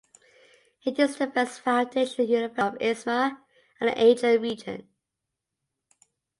It is the first foundation university of Izmir and the Aegean Region.